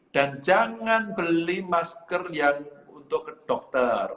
dan jangan beli masker yang untuk ke dokter